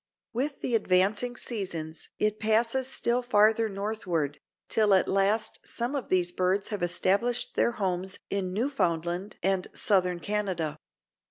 With the advancing seasons it passes still farther northward, till at last some of these birds have established their homes in Newfoundland and Southern Canada.